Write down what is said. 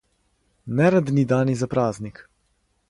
нерадни дани за празник